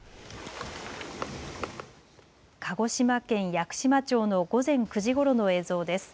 鹿児島県屋久島町の午前９時ごろの映像です。